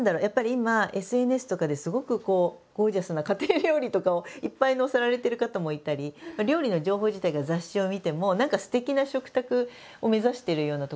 今ＳＮＳとかですごくゴージャスな家庭料理とかをいっぱい載せられてる方もいたり料理の情報自体が雑誌を見ても何かすてきな食卓を目指してるようなところがあって。